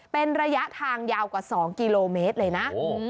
เป็นระยะทางยาวกว่า๒กิโลเมตรเลยนะ